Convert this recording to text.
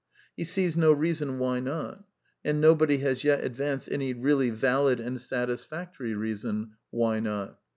He sees no reason why not; and nobody has yet ad vanced any reaUy valid and satisfactory reason why not.